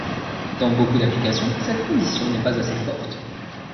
Dans beaucoup d'applications, cette condition n'est pas assez forte.